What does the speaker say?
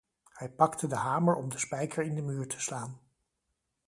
Hij pakte de hamer om de spijker in de muur te slaan.